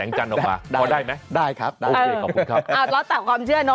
เอาไม่ได้เนอะ